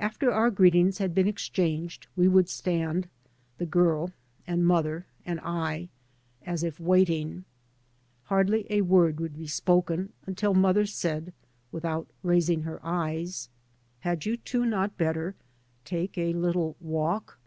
After our greetings had been exchanged we would stand, the girl and mother and I, as if waiting. Hardly a word would be spoken until mother said, without raising her eyes, D.D.t.zedbyG'OOglc MY MOTHER AND I " Had you two not better — take a little walk?"